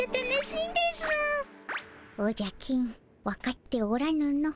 おじゃ金わかっておらぬの。